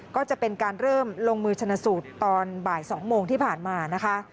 ก็จะเป็นการเริ่มลงมือชนะสูตรตอนบ่าย๒โมงที่ผ่านมานะคะ